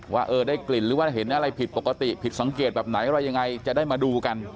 ว่าเออได้กลิ่นหรือว่าเห็นอะไรผิดปกติผิดสังเกตแบบไหนอะไรยังไงจะได้มาดูกัน